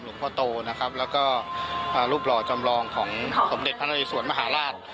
หลุงพ่อโตนะครับแล้วก็อ่ารูปหล่อจำลองของของเด็ดพระนาฬิสวรรค์มหาลาศ